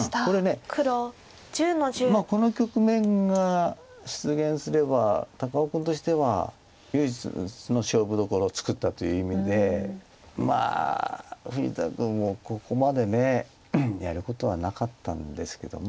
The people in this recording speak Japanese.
この局面が出現すれば高尾君としては唯一の勝負どころを作ったという意味でまあ富士田君もここまでやることはなかったんですけども。